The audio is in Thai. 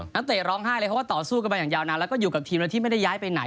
เตะร้องไห้เลยเขาก็ต่อสู้กันมาอย่างยาวนานแล้วก็อยู่กับทีมแล้วที่ไม่ได้ย้ายไปไหน